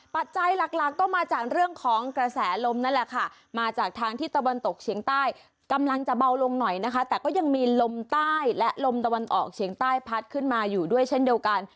ปัจจัยหลักหลักก็มาจากเรื่องของกระแสลมนั่นแหละค่ะมาจากทางที่ตะวันตกเฉียงใต้กำลังจะเบาลงหน่อยนะคะแต่ก็ยังมีลมใต้และลมตะวันออกเฉียงใต้พัดขึ้นมาอยู่ด้วยเช่นเดียวกัน